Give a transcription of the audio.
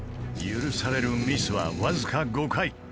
［許されるミスはわずか５回］